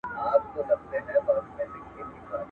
غر که لوړ دئ، لار پر د پاسه ده.